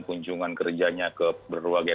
kunjungan kerjanya ke berbagai